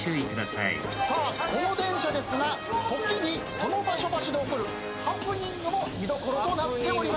さあこの電車ですが時にその場所場所で起こるハプニングも見どころとなっております。